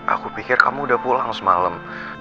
aku pikir kamu udah pulang semalam